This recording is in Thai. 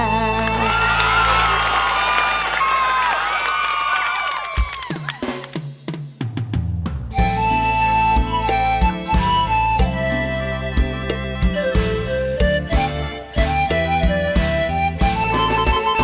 กลับไห้